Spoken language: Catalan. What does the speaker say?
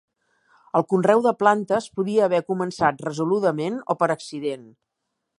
El conreu de plantes podria haver començat resoludament o per accident.